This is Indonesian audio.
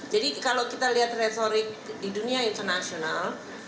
jadi kalau kita lihat retorik di dunia international